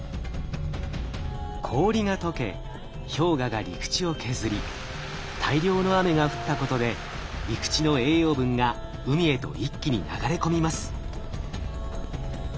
氷が解け氷河が陸地を削り大量の雨が降ったことで陸地の栄養分が海へと一気に流れ込みます。